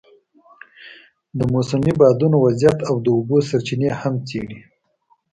د موسمي بادونو وضعیت او د اوبو سرچینې هم څېړي.